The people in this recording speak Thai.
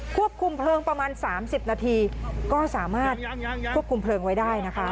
ควบคุมเพลิงประมาณ๓๐นาทีก็สามารถควบคุมเพลิงไว้ได้นะคะ